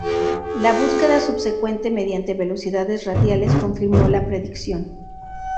La búsqueda subsecuente mediante velocidades radiales, confirmó la predicción.